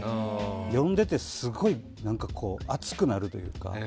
読んでいてすごい熱くなるというか。